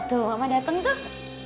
tuh mama dateng tuh